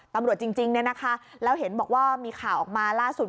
ตำรวจจริงแล้วเห็นบอกว่ามีข่าวออกมาล่าสุด